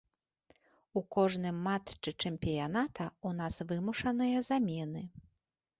У кожным матчы чэмпіяната ў нас вымушаныя замены.